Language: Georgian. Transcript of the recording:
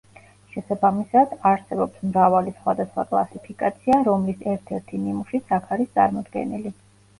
შესაბამისად, არსებობს მრავალი სხვადასხვა კლასიფიკაცია, რომლის ერთ-ერთი ნიმუშიც აქ არის წარმოდგენილი.